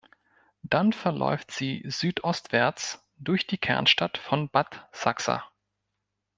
Dann verläuft sie südostwärts durch die Kernstadt von Bad Sachsa.